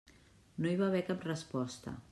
No hi va haver cap resposta.